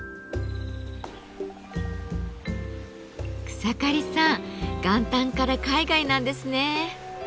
草刈さん元旦から海外なんですね。